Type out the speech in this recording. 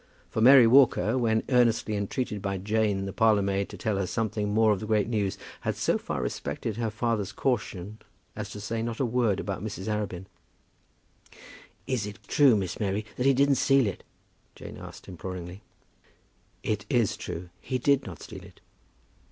For Mary Walker, when earnestly entreated by Jane, the parlour maid, to tell her something more of the great news, had so far respected her father's caution as to say not a word about Mrs. Arabin. "Is it true, Miss Mary, that he didn't steal it?" Jane asked imploringly. "It is true. He did not steal it."